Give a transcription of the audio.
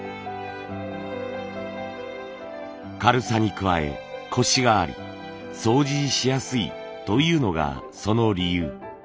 軽さに加えコシがあり掃除しやすいというのがその理由。